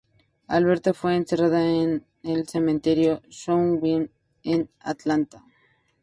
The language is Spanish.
Alberta fue enterrada en el cementerio South View en Atlanta.